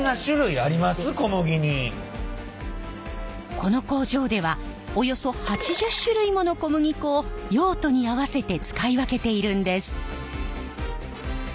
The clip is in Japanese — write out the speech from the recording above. この工場ではおよそ８０種類もの小麦粉を用途に合わせて使い分けているんです。